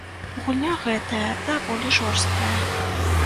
Гульня гэтая даволі жорсткая.